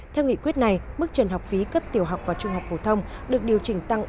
theo nghị quyết này mức trần học phí cấp tiểu học và trung học phổ thông được điều chỉnh tăng